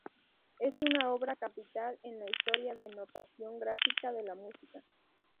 Es una obra capital en la historia de notación gráfica de la música.